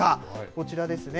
こちらですね。